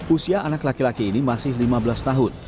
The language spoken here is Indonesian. usia anak laki laki ini masih lima belas tahun